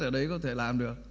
ở đấy có thể làm được